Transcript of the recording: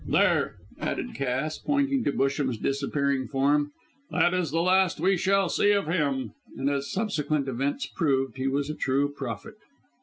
There," added Cass, pointing to Busham's disappearing form, "that is the last we shall see of him." And, as subsequent events proved, he was a true prophet.